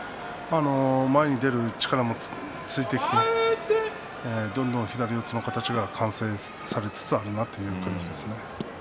前に出る力もついてきたどんどん左四つの形が完成されつつあるんだという感じですね。